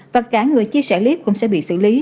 và cả người chia sẻ clip cũng sẽ bị xử lý